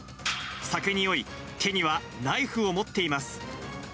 酒に酔い、手にはナイフを持っています。